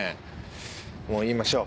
もう言いましょう。